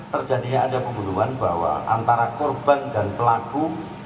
terjadinya ada pembunuhan bahwa antara korban dan pelaku